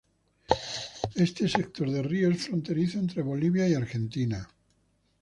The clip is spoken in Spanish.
Este sector de río es fronterizo entre Bolivia y Argentina.